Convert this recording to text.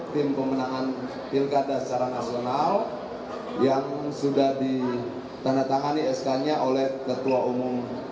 tim pemenangan pilkada secara nasional yang sudah ditandatangani sk nya oleh ketua umum